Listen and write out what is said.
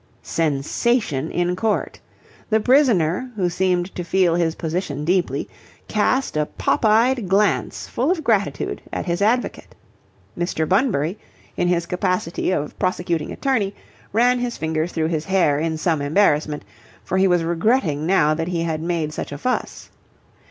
Sensation in court. The prisoner, who seemed to feel his position deeply, cast a pop eyed glance full of gratitude at his advocate. Mr. Bunbury, in his capacity of prosecuting attorney, ran his fingers through his hair in some embarrassment, for he was regretting now that he had made such a fuss.